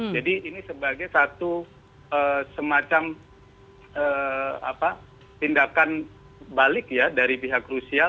ini sebagai satu semacam tindakan balik ya dari pihak rusia